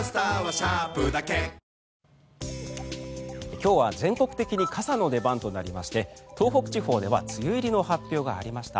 今日は全国的に傘の出番となりまして東北地方では梅雨入りの発表がありました。